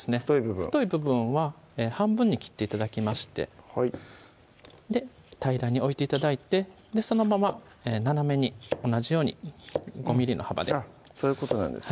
太い部分は半分に切って頂きましてはい平らに置いて頂いてそのまま斜めに同じように５ｍｍの幅であっそういうことなんですね